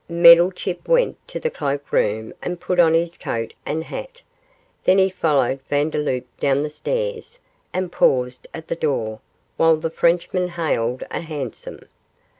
Meddlechip went to the cloak room and put on his coat and hat. Then he followed Vandeloup down the stairs and paused at the door while the Frenchman hailed a hansom.